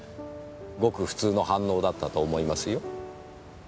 ごく普通の反応だったと思いますよ。